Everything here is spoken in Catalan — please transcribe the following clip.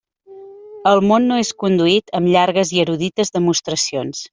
El món no és conduït amb llargues i erudites demostracions.